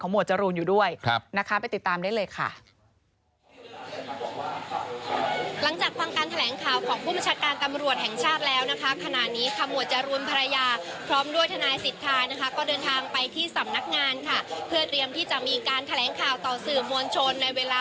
ของหมวดจรูนอยู่ด้วยไปติดตามได้เลยค่ะ